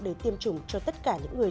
để tiêm chủng cho tất cả những người